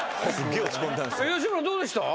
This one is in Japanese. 吉村どうでした？